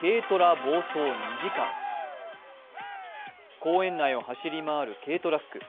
公園内を走り回る軽トラック。